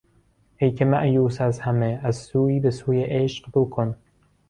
ایکه مایوس از همه از سویی بهسوی عشق روکن